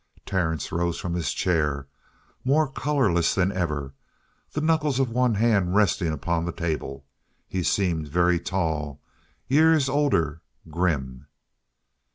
Terence rose from his chair, more colorless than ever, the knuckles of one hand resting upon the table. He seemed very tall, years older, grim.